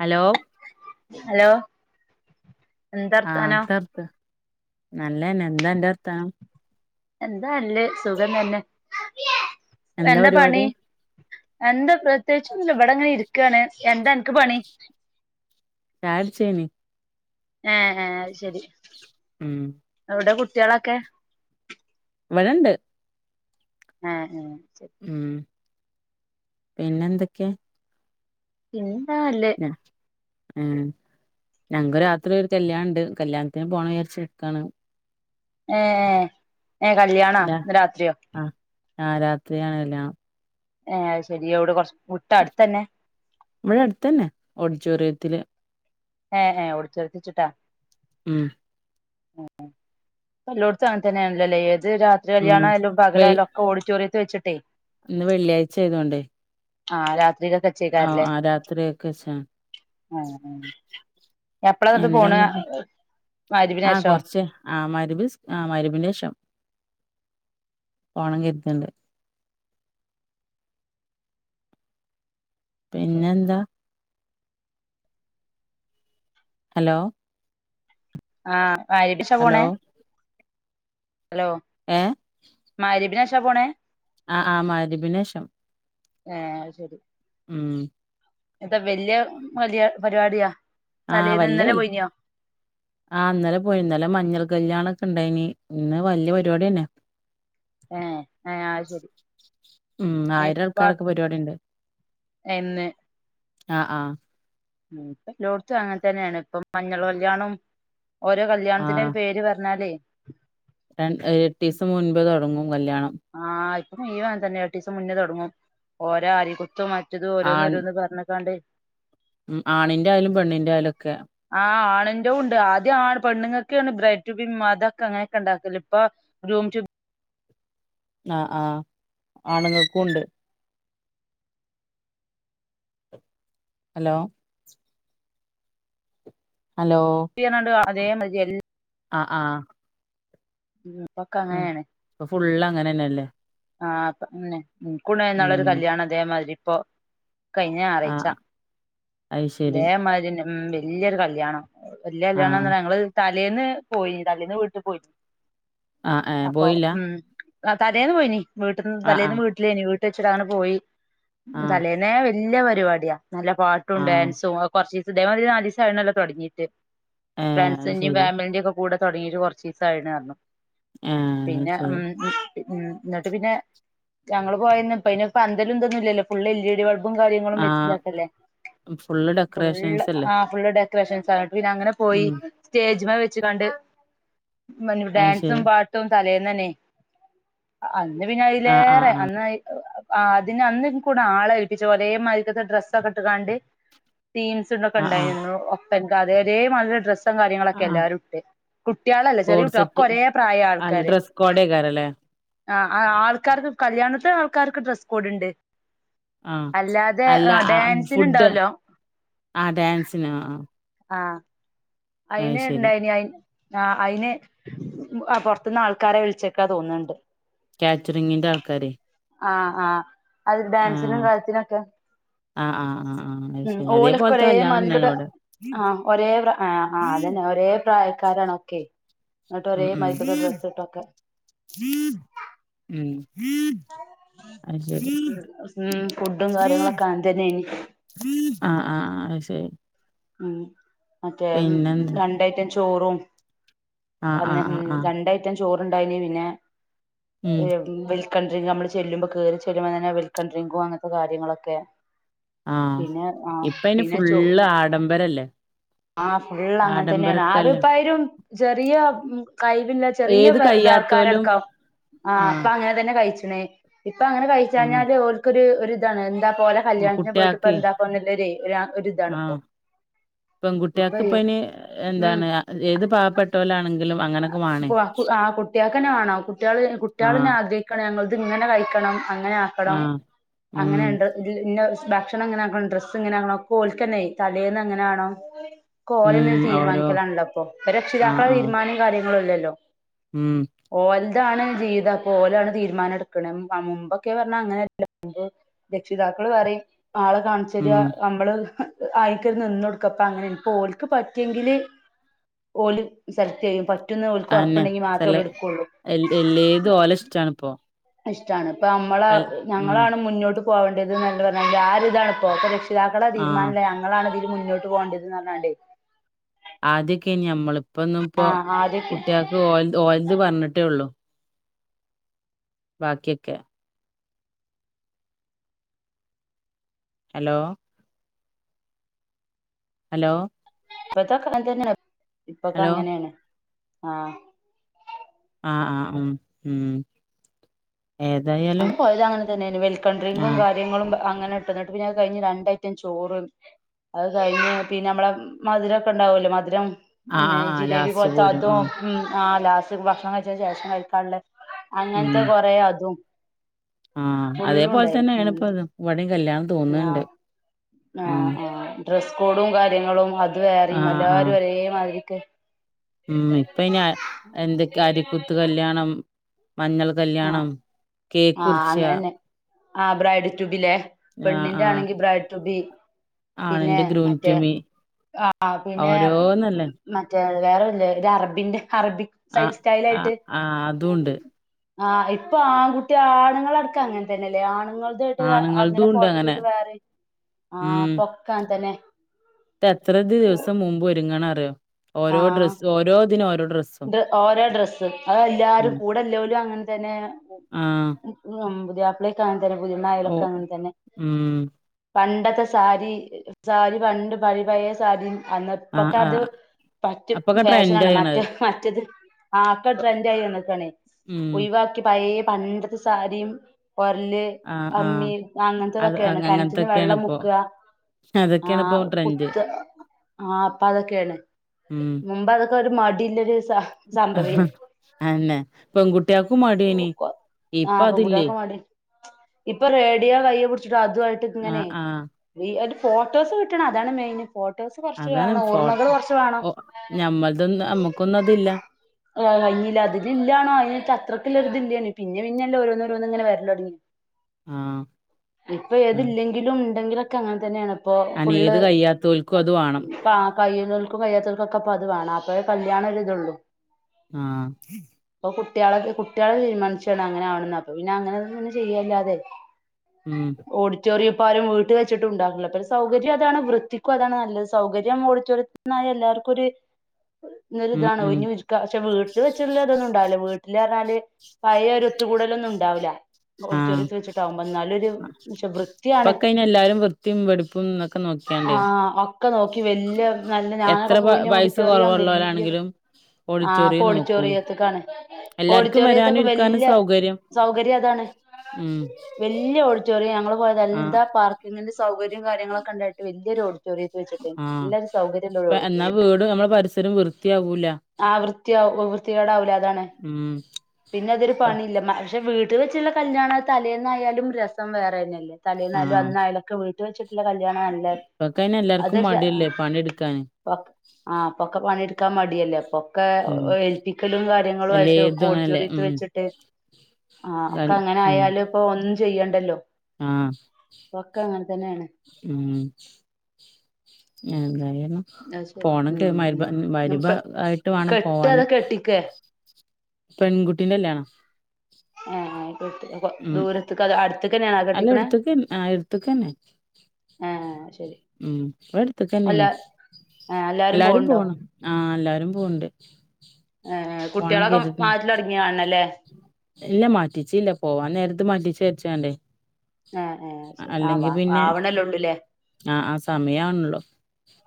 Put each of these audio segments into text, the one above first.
Hello hello ആഹ് എന്താർത്താനോ തർത്ത് നല്ലന്നെ എന്താ അന്റെ വർത്താനം? എന്താ അല്ലഹ് സുഖം തന്നെ എന്താ പണി എന്താ പ്രത്യേകിച്ചോന്നും ഇല്ല ഇവിടെങ്ങനെ ഇരിക്കാണ് എന്താ അൻക്ക് പണി? ചായകുടിച്ചെനി ഏഹ് ഏഹ് അയ് ശെരി ഉം എവിടെ കുട്ട്യാളൊക്കെ? ഇവടെണ്ട്. ആഹ് ഉം ശരി. ഉം പിന്നെ എന്തൊക്കെ? പിന്നന്താ നല്ലത് മ് ഊം ഞങക്ക് രാത്രി ഒരു കല്യാണ ണ്ട്. കല്യാണത്തിന് പോണം വിചാരിച്ചു നിക്കാണ്. ഏഹ്. എഹ് കല്യാണോ? ലാ ഇന്ന് രാത്രിയോ? ആഹ് ആഹ് രാത്രിയാണ് കല്ല്യാണം. ഏഹ് അഹ് ശരി. എവ്ടെ കൊർച്ച് വിട്ടാ, അടുത്തന്നെ? ഇവടെ അടുത്തന്നെ ഓഡിറ്റോറിയത്തില്. ഏഹ് ഏഹ് ഓഡിറ്റോറിയത്ത് വെച്ചിട്ടാ? ഉം ഏഹ്. ഇപ്പെല്ലോട്ത്തു അങ്ങൻ തന്നേണല്ലോല്ലേ ഏത് രാ ത്രി ഉം കല്യാണായാലും വെയ് പകലായാലും ഒക്കെ ഓഡിറ്റോറിയത്ത് വെച്ചിട്ടേ. ഇന്ന് വെള്ളിയാഴ്ച ആയതോണ്ടേ ആഹ് രാത്രിക്കക്ക് ആഹ് വെച്ചേക്കാരല്ലേ. ആഹ് രാത്രിയൊക്കെ വെച്ചാ ആഹ് ആഹ് എപ്പളാ ന്നട്ട് പോണത് മഹ്‌രിബിനേശോ? ശ്. ആഹ് മഹ്‌രിബി സ് ആഹ് മഹ്‌രിബിൻ്റേഷം. പോണം കര്ത്ണ്ട്. പിന്നെന്താ? ഹലോ ആഹ് മഹ്‌രിബേഷാ പോണേ? Hello hello. ഏഹ് മഹ്‌രിബിനേശാ പോണത്? ആഹ് ആഹ് മഹ് രിബിനേശം. ഏഹ്. അഹ്ശരി ഉം എന്ത വല്യ മൊല്യാ പരിപാടിയാ? ആഹ് തലേന്ന് വല്ല്യ ഇന്നലെ കൽ പോയിനോ ആഹ് ഇന്നലെ പോയി. ഇന്നലെ മഞ്ഞൾ കല്ല്യാണൊക്കെ ഇണ്ടായിനി. ഇന്ന് വലിയ പരിപാട്യെന്നെ. ഏഹ് ഏഹ് ആഹ് ശരി. ഉം ആയിരം ഇപ്പ ആൾക്കാരൊക്കെ പരിപാടി ണ്ട്. ഇന്ന് ആഹ് ആഹ് ഉം. ഇപ്പല്ലോട്ത്തും അങ്ങനെ തന്നേണ്. ഇപ്പം മഞ്ഞൾ കല്യാണും ഓരോ കല്യാൺത്തിന്റൊക്കെ പേര് പർഞ്ഞാലേ രൺ ഏ എട്ടീസം മുൻപ് തുടങ്ങും കല്യാണം. ആഹ് ഇപ്പം മുയ്വൻ അങ്ങൻ തന്നെ. എട്ടീസം മുന്നേ തുടങ്ങും. ഓരോ ആരി കുത്തും മ റ്റത് ആൺ ഓരോന്നോരോന്ന് പർഞ്ക്കാണ്ടേ ഉം ആണിന്റായാലും പെണ്ണിന്റെ ആയാലും ഒക്കെ ആഹ് ആണിന്റെതും ണ്ട്. ആദ്യം ആണ് പെണ്ണുങ്ങക്കേണു ബ്രൈറ്റു ബിം അതൊക്കെ അങ്ങന്യൊക്കെ ണ്ടാക്കല്. ഇപ്പൊ ഗ്രൂം റ്റു ആഹ് ആഹ്. ആണുങ്ങക്കു ണ്ട്. അലോ ഹലോ [unintelligible] അതേ മാതിരി എൽ ആഹ് ആഹ് ഉം. ഇപ്പൊക്ക അങ്ങനേണ്. ഇപ്പൊ ഫുള്ള് അങ്ങനെന്നെല്ലേ ആഹ്പ്പൊ ന്നെ ഉം. ഇൻകുണ്ടായിനി ഉം ഇന്നാളൊരു കല്യാണം ഇതേമാതിരി ഇപ്പോ കഴിഞ്ഞ ഞാറയ്ച്ച. ആഹ് അത് ശരി ഇതേമായ്രിയന്നെ ഉം വല്യൊരു കല്യാണം വല്ല്യ ആഹ് കല്ല്യാണംന്നർഞാ ഞങ്ങള് തലേന്ന് പോയിനി. തലേന്ന് വീട്ടു പോയിര്ന്നു. ആഹ് ഏഹ് അപ്പൊ പോയില്ല ഉം ആഹ് തലേന്ന് പോയിനി. വീട്ടിന്ന് ആഹ് തലേന്ന് ആഹ് വീട്ടിലേനി വീട്ട് വെച്ചിട്ടങ്ങനെ പോയി. ആഹ് തലേന്നേ വല്യ പരിപാടിയാ. നല്ല പാട്ടും ആഹ് ഡാൻസും അ കുറച്ച് ദിവസദേഹം മതി നാലിസ ആണല്ലോ തുടങ്ങിട്ട് ഏഹ് അത് ഫ്രണ്ട്സിന്റെയും ശരി ഫാമിലിന്റെയും കൂടെ തുടങ്ങിട്ട് കുറച്ച ദിവസയിരുന്നു ഏഹ് അത് പിന്നെ ഉം ശരി ഉ എന്നിട്ട് പിന്നെ ഞങ്ങള്ൾ പോയ ഇപ്പ അന്തലും തന്നുമില്ലല്ലോ full L E D bulb കാര്യങ്ങളും ആഹ് വെച്ചതാക്കല്ലേ ഫുള്ള് ഡെക്കറേഷൻസ് അല്ലേ ഫുള്ള് ഡെക്കറേഷൻസ്ട്ട് പിന്നെ അങ്ങനെ പോയി ഉം സ്റ്റേജ വെച്ച് കണ്ട് അത് ഡാൻ ശരി പട്ടും തലന്ന് തന്നെ അന്ന് പിന്നെ ആഹ് ആഹ് അതിലേറെ ആഹ് അന്ന് ആഹ് അതിന് അന്ന കൂടെ ആളെ ഏൽപ്പിച്ചു ഒരേ മരിക്കത്തെ ഡ്രസ്സൊക്കെ ഇട്ടാണ്ട് തീംസ് ആഹ് ആഹ് ഉണ്ടായിരുന്നു ഒപ്പ എനിക്ക് അതരെ നല്ല ഡ്രസ് ആഹ് കാര്യങ്ങളൊക്കെല്ലാവും ഇട്ട് കുട്ടികളല്ല ചെറിയ കോഡ് കുട്ടികളക്കെ സെറ്റ് ഒരേ പ്രായ അല്ല ആൾക്കാര് ഡ്രസ്സ് കോഡേക്കാരല്ലേ ആഹ് ആൾക്കാർക്ക് കല്യാണത്തിന് ആൾക്കാർക്ക് ഡ്രസ്സ് കോഡ് ഉണ്ട് ആഹ് അല്ലാതെ അല്ല ആഹ് ഡാൻസിന് ഫുഡ് ഉണ്ടാവല്ലോ ആഹ് ഡാൻസിന ആഹ് അയിന് ശരി ഇണ്ടായിന് അ അയിന് പുറത്തുന്ന് ആൾക്കാരെ വിളിച്ചക്കാ തോന്നുണ്ട് കാറ്ററിങ്ങിന്റെ ആൾക്കാരെ ആഹ് ആഹ് അത് ഡാൻസിനും ആഹ് കര്യത്തിനും ഒക്കെ ആഹ് ആഹ് ആഹ് ആഹ് അത് ഉം ശരി ഓലൊക്കെ അതേപോലത്തെ ഒരേ കല്യാണം മാതി തന്നെയാണ് ഇട്ടിട്ട് ഇവിടെ ആഹ് ഒരേ പ്രാ ആഹ് ആഹ് ആഹ് അതന്നെ ഒരേ പ്രായക്കാരാണ് ഒക്കെ എന്നിട്ട് ഒരേ ഉം ഉം മാരിക്കത്തെ ഡ്രസ്സ് ഇട്ടൊക്കെ ഉം അത് ശരി ഉം ഫുഡും കാര്യങ്ങളൊക്കെ അങ്ങനെ തന്നെയാണ് ആഹ് ആഹ് ആഹ് ശരി ഉം മറ്റേ പിന്നെന്താ രണ്ടായിറ്റം ചോറും ആഹ് അന്ന് ആഹ് ഉം ആഹ് ആഹ് രണ്ട് ഐറ്റം ചോറണ്ടായിന് പിന്നെ ഉം വേ കൺട്രി മ്മള് ചെല്ലുമ്പ കേറി ചെല്ലുമ്പ തന്നെ വെൽക്കം ഡ്രിങ്കും അങ്ങത്തെ കാര്യങ്ങളൊക്കെ ആഹ് പിന്നെ ആഹ് ഇപ്പ അയിന് പിന്നെ ചോ ഫുള്ള് ആഡംബരല്ലേ ആഹ് ഫുൾ അങ്ങനെ തന്നെയാണ് ആഡംബരക്കല്ലെ ആരപ്പായരും ചെറിയ കഴിവില്ല ചെറിയ ഏത് ഇത കയ്യാത്തോലും ആൾക്കാരടക്കാം ആഹ് ഇപ്പൊ അങ്ങനെ തന്നെ കഴിച്ചണ് ഇപ്പ അങ്ങനെ ഉം കഴിച്ചഞ്ഞാല് ഓല്ക്കൊര് ഒരു ഇതാണ് എന്താ പോലെ കല്യാണത്തിന് പോയിട്ട് ഇപ്പൊ കുട്ട്യാക്കെ എന്താക്കല്ല ഒരു ഇതാണ്പ്പോ പെൺകുട്ടികൾക്ക് ഇപ്പ ഇന് എന്താണ് ഏത് പാവപ്പെട്ട ട്ടോലാണെങ്കിലും അഹ് ആഹ് പോവ കുട്ടികൾക്കന്നെ വേണം കുട്ടികള കുട്ടികളിനെ ആഹ് ആഗ്ര ഞങ്ങള ഇത് ഇങ്ങനെ കഴിക്കണം അങ്ങനെ ആക്കണം ആഹ് ഉം അങ്ങനെയുണ്ട് ന്ന ഭക്ഷണം എങ്ങനെക്കണം ഡ്രസ്സ് എങ്ങനെയണം ഒകെ ഓലിക്കന്നെ തലേൽന്ന് എങ്ങനെയാണോ കോലന്ന ഉം ഓരോ തീരുമാനിക്കലാണല്ലോ അപ്പൊ ആഹ് രക്ഷിതാക്കള ആഹ് തീരുമാനം കാര്യങ്ങളും ഇല്ലല്ലോ ഉം ഓലതാണ് ജീവിതം അപ്പൊ ഓലാണ് തീരുമാനം എടുക്കണ മുമ്പൊക്കെ പറഞ്ഞാ അങ്ങനെയല്ലു രക്ഷിതാക്കള് പറയും ആള് കാണിച്ചര ഉം നമ്മള് ആയിക്കരു നിന്ന് കൊടുക്കും അപ്പ അങ്ങനെപ്പ ഓലക്ക് പറ്റിയെങ്കില് ഓല് സെലക്ട് ചെയ്യും റ്റുന്ന് ഓൽക്ക് അന്നെ ഉറപ്പുണ്ടെങ്കി മാത്രമേ സെല ഓല് എടുക്കുള്ളൂ എൽ എല്ലേതും ഓലെ ഇഷ്ടാണിപ്പോ ഇഷ്ടമാണ് ഇപ്പ നമ്മള എൽ ഉം ഞങ്ങളാണ് മുന്നോട്ട് പോകേണ്ടത്ള്ള പറഞ്ഞ ആരിതാണ് ഇപ്പോത്തെ രഷ്‌ ക്ഷിതാക്കളുടെ ആഹ് തീരുമാനമല്ല ഞങ്ങളാണ് ഇതിൽ മുന്നോട്ട് പോകേണ്ടതന്ന് പറഞ്ഞാണ്ട് ആദ്യൊക്കെ ഇനി നമ്മള ഇപ്പൊന്നും ഇപ്പോ ആഹ് ആദ്യൊക്കെ കുട്ടികൾക്ക് ഓലത് ഓലത് പറഞ്ഞിട്ടേ ഉള്ളു ബാക്കിയക്കെ ഹലോ ഹലോ ഇപ്പത്തൊക്കെ അങ്ങനെ തന്നെയാണ് ഇപ്പക്കെ ഹലോ അങ്ങനെയാണ് ആഹ് ആഹ് ആഹ് ഉം ഉം ഏതായാലും പോയത് അങ്ങ തന്നെയാണ് വെൽക്കം ഡ്രിങ്കും കാ ആഹ് കാര്യങ്ങളും അങ്ങനെ കിട്ടന്നിട്ട് പിന്നെ അത് കഴിഞ്ഞ് രണ്ടായിറ്റം ചോറും അത് കഴിഞ്ഞ് പിന്നെ നമ്മള മധുരം ഒക്കെ ഉണ്ടാവല്ലോ മധുരം ആഹ് പിന്നെ ആഹ് ആഹ് ജിലേബി ലാസ്റ്റ് പോലത്തെ പോരും അതും ആഹ് ഉം ആഹ് ലാസ്റ്റ് ഭക്ഷണം കഴിച്ച ശേഷം കഴിക്കാളത് അങ്ങനത്തെ ഉം കൊറെ അതും ആഹ് ഫുള്ളും അതേപോലെ തന്നെയാണ് ഉണ്ടായിരുന്നു പ്പ ത് ഇവടിം കല്യാണം ഉം തോന്നുന്നുണ്ട് ആഹ് ഉം ആഹ് ആഹ് ഡ്രസ്സ് കോഡും കാര്യങ്ങളും അത് വേറെയും ആഹ് ആഹ് എല്ലാരും ഒരേമാതിരിക്ക് ഉം ഇപ്പ അതിന് എന്തൊക്കെ അരിക്കൂത്ത് കല്യാണം മഞ്ഞൾ ആഹ് കല്യാണം ആഹ് കേക്കുറിച്ച അങ്ങനെന്നെ ആഹ് ബ്രൈഡ് ടൂബിലേ ആഹ് പെണ്ണിന്റെ ആഹ് ആണെങ്കി ബ്രൈഡ് ട്യൂബി പിന്നെ ആണിന്റെ ഗ്രൂം ടു മറ്റേ മീ ആഹ് ആഹാ പിന്നെ ഓരോന്നല്ലേ മറ്റേ വേറെല്ല അറബിന്റെഹെ അറബി ആഹ് ആഹ് ആഹ് അതുണ്ട് ആഹ് ഇപ്പൊ ആൺകുട്ടി ആണുങ്ങൾ അടക്കാ അങ്ങനെ തന്നെല്ലേ ആണുങ്ങൾ ന്നിട്ട് അങ്ങനെ ആണുങ്ങൾതും ഉണ്ട് ഫോട്ടോഷൂട്ട് വേറെ ആ ഉം പ്പോക്കെ അങ്ങനെ തന്നെ എത്ര ദിവസം മുമ്പ് ഒരുങ്ങണംന്നറിയോ ഓരോ ആഹ് ഡ്രസ്സ് ഓരോ ദിന ഓരോ ഡ്രസ്സും ഓരോ ഡ്രെസ്സും അത് എല്ലാരും ഉം കൂടെല്ലലും അങ്ങനെ തന്നെ ആഹ് ഉം പുതിയപ്ല കങ്ങനെതന്നെ ഓ പുതിയണ്ണയാലുംക്കെ അങ്ങനെത്തന്നെ ഉം പണ്ടത്തെ സാരി സാരി പണ്ട് പയേ പയ സാരി അന്ന ആഹ് പ്പൊക്കെ അത് ആഹ് പ റ്റ അപ്പൊക്കെ ട്രെൻഡ് ഫാഷനാണ് മറ്റ മറ്റ ആയിണത് മറ്റത് ആക്കെ ട്രെൻഡ ആയി വന്ന്കാണേ യ് ഉം ഒഴിവാ പയ പണ്ടത്തെ സാരിയും ഒര്ല് ആഹ് അമ്മി ആഹ് അത് അങ്ങനത്തെതൊക്കെയാണ് അങ്ങ കണറ്റിന്ന് അങ്ങനത്തൊക്കെയാണ് വെള്ളം ഇപ്പോ മുക്കുക അതൊക്കെയാണ് ഇപ്പോ ആഹ് ട്രെൻഡ് കുത്ത് ആ അപ്പ അതൊക്കെയാണ് ഉം മുമ്പ് അതൊക്കെ ഒരു മടില്ല ഒരു സ സംഭവേർന്ന് ആന്നെ പെൺകുട്ടിയോൾ ക്കും മടിയനി ഇപ്പ ആഹ് അതില്ലേ പെൺകുട്ടികൾക്ക് മടി ഇപ്പൊ റേഡിയോ കയ്യിൽ പിടിച്ചിട്ടോ അതുവായിട്ടിങ്ങനെ ആഹ് ആഹ് ഹെയ് ഒരു ഫോട്ടോസ് കിട്ടണം അതാണ് മെയിന് ഫോട്ടോസ് കൊറച്ച് അതാണ് വേണം ഓർമ്മകൾ ഫോട്ടോ കൊറച്ച് വേണം ഓ ഞമ്മൾതൊന്നും നമ്മക്കൊന്നും അതില്ല ആ കയില്ല അതിന് ഇല്ല ന്ന അത്രക്കല്ല ഒ ഇല്ലാണ് പിന്നെ പിന്നെല്ല ഓരോന്നങ്ങനെ വരല്ലോടങ്ങി ആഹ് ഇപ്പൊ ആഹ് ഏതില്ലെങ്കിലും ണ്ടെങ്കിലൊക്കെ അങ്ങനെ തന്നെയാണ് പ്പൊ ഫുള്ള് അനേത് കഴിയാത്തോൽക്കും അത് വാണം പ്പാ കയുന്നോൽക്കും കയ്യാതോൽ ക്കൊക്കെ പ്പോ അത് വേണം അപ്പ കല്യാണ ഒരിതള്ളൂ ആഹ് അപ്പൊ കുട്ടികളെ കുട്ടികളെ തീരുമാനിച്ചാണ് അങ്ങനെ ആണന്ന് അപ്പൊ പിന്നെ അങ്ങനെന്നെ ചെയ്യല്ലാതെ ഉം ഓഡിറ്റോറിയംപ്പം ആരും വീട്ടിൽ വെച്ചിട്ടുണ്ടാക്കില്ല പിന്നെ സൗകര്യം അതാണ് വൃത്തിക്കും അതാണ് നല്ലത് സൗകര്യം ഓഡിറ്റോറിയം എന്ന എല്ലാർക്കും ഒരു ഇ ഉം ഇതാണ ഒ ഉം പക്ഷെ വീട്ടിൽ വെച്ചട്ടുള്ളതൊന്നും ഉണ്ടാവില്ല വീ [inaudible] പഴയ ഒരു ഒത്ത് കൂടലൊന്നും ഉണ്ടാവൂല ആഹ് ഓഡിറ്റോറിയത്ത് വെച്ചിട്ടാവുമ്പോ എന്നാലൊരു പ ക്ഷേ വൃത്തിയാണ് ഇപ്പൊക്കെ അയിന് എല്ലാരും വൃത്തിയും വെടിപ്പും ഒക്കെ നോക്കിയാണ്ടേ ആഹ് ഒക്കെ നോക്കി വല്യ നല്ല ഞാനൊക്കെ പൂഞ്ഞെ ഓഡിറ്റോറിയം ആവുമ്പോലെയ് പോരാ ണെങ്കിലും ഓഡിറ്റോറിയം നോക്കും ഓഡിറ്റോറിയത്ത്ക്കാണ് എല്ലാർക്കും വരാനും ഓഡിറ്റോറിയത്തൊക്കെ ഇരിക്കാനും വല്യ സൗകര്യം സൗകര്യം അതാണ് ഉം വല്യ ഓഡിറ്റോറിയം ഞങ്ങള് പോയത് ആഹ് എന്താ പാർക്ക് ഇങ്ങനെത സൗകര്യം കാര്യങ്ങളൊക്കെളണ്ടായിട്ട് വല്യ ഒരു ഓഡിറ്റോറിയം ആഹ് ഇപ്പ എന്നാ വീട് നമ്മള പരിസരം വൃത്തിയാവൂല ആ വൃത്തിയാവും വൃത്തികേടാവൂല അതാണ് ഉം പിന്നെ അതൊരു പ്പ പണി ഇല്ല പക്ഷെ വീട്ടിൽ വെച്ചുള്ള കല്ല്യാണ തലേന്നായാലും രസം വേറെ തന്നെയല്ലേ തലേന്നായാലും ആഹ് അന്നായാലൊക്കെ വീട് വെച്ചിട്ടുള്ള കല്യാണം നല്ലത് ഇപ്പക്കയ്ന് എല്ലാർക്കും അതെല്ല മടിയല്ലേ പണിയെടുക്കാന് പ ആഹ്പ്പൊക്കെ പണിയെടുക്കാൻ മടിയല്ലേ അപ്പൊ ഒ ഉം ക്കെഏൽപ്പിക്കലും കാര്യങ്ങളും ആയിട്ട് ഒക്കെ എല്ലേതും അങ്ങനല്ലേ ഓഡിറ്റോറിയത്ത് ഉം വെച്ചിട്ട് ആഹ് കാൽ ഒക്കെ അങ്ങനെ ആയാലും ഇപ്പൊ ഒന്നും ചെയ്യണ്ടല്ലോ ആഹ്ശ് അപ്പൊക്കെ ശ് അങ്ങനെ തന്നെയാണ് ഉം എന്തായ്‌ര്ന്നു അത് ശരി പോണം കേ ഉം മയ്രിബ ഉം ഇപ്പ മയ്രിബ് ആയിട്ട് വാണം കെട്ട് അതോ പോവാന് കെട്ടിക്കേ പെൺകുട്ടിന്റെല്യാണാ ഏഹ് കെട് കൊ ഉം ദൂരത്ത്ക്കാെ അതാേ അട്ത്ത്ക്കെന്ന്യാണാേ അല്ല കെട്ടിക്ക്ണേ എടുത്ത്ക്ക് ആഹ് എടുത്ത്ക്കന്നെ ആഹ് ഉം ഇബട്ത്ത്ക്കെന്ന്യാണ് ഏ എല്ലാരും പോവ്ണ്ടോ പോണം ആഹ് എല്ലാരും പോവ്ണ്ട് ഏഹ് ഏഹ് പോണം കുട്ട്യാളൊക്കെ കരുത്ണ് മാറ്റലാെട്ങ്ങി കാൺണം ല്ലേ ഇല്ല മാറ്റിച്ചില്ല പോവാൻ നേര്ത്ത് മാറ്റിച്ചാര്ച്ചാണ്ടേ ഏ ഏ ശരി ആ വാ അല്ലെങ്കിപിന്നെ ആവണല്ലേള്ളൂല്ലേ ആഹ് ആഹ് സമയാവ്ണ്ള്ളൂ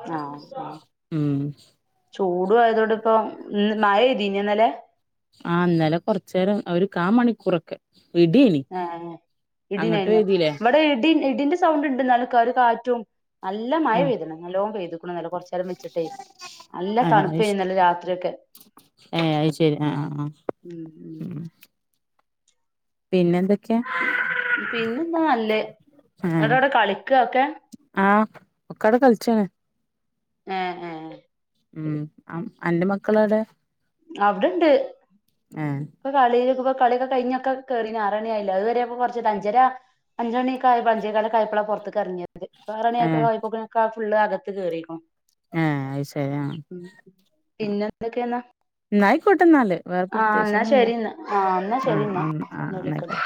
ആഹ് ആഹ് ഉം ചൂടും ആയതോണ്ട്പ്പം ഇം മയെയ്തീന്യൊന്നെലേ ആഹ് ന്നറലെ കൊർച്ചേരം ഒരു കാ മണിക്കൂറൊക്കെ ഇട്യേനി ആഹ് ഇടിണ്ടായ്ന്യോ വെടെ ഇടി ഇടിന്റെ സൗണ്ട്ണ്ട് ന്നാലും ക ഒര് കാറ്റും നല്ല മഴ ആഹ് പെയ്ത്ണ് നല്ലോം പെയ്ത്ക്ക്ണ് ഇന്നലെ കൊർച്ചേരം വെച്ചിട്ടേ നല്ല ആഹ് അയ്ശ തണ്പ്പേനിന്നെലെ രാത്റിയൊക്കെ ഏഹ് അയ് ശെരി ആഹ് ആഹ് ആഹ് ഉം ഉം ഉം പിന്നെ എന്തൊക്ക്യാ പിന്നെന്താ നല്ലെ ആഹ് എവ്ടൊവ്ടെ കളിക്കാ ഒക്കെ ആഹ് ഒക്കവ്ടെ കൾച്ചാണ് ഏഹ് ഏഹ് ഉം അം അന്റെ മക്കളേടെ അവ്ടെണ്ട് ഏഹ് ഇപ്പ കളി ഇപ്പ കള്യൊക്കെ കയ്ഞ്ഞൊക്കെ കേറീണ് ആറണ്യായീലേ അത്‌വെരെ പ്പ കൊർച്ച് ട അഞ്ചെരാ അഞ്ചണിക്കായ് അഞ്ചേക്കാലൊക്കായപ്പളാ പൊർത്ത്ക്കെറ്ങ്ങ്യെ ത് പ്പാറണി അക്കെ ഏഹ് ആയപ്പോക്ക്ന് ആ ഫുള്ള് അകത്ത് കേറീക്ക്ണു ഏഹ് അയ്ശരി ആഹ് ഉം പിന്നെന്തൊക്കേന്നാ ന്നായ്ക്കോട്ടെന്നാല് വേറെ എന്നാ പ്രത്യേകിച്ചൊന്നുല്ല ശരി എന്നാ ആഹ് എന്നാ ശരി ആഹ് എന്നാ ആഹ് ആഹ് പിന്നെ വിളിക്കണ്ട് ന്നായ്ക്കോ